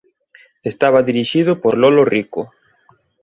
Estaba dirixido por Lolo Rico.